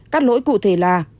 các lỗi cụ thể là